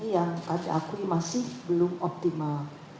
yang kami akui masih belum optimal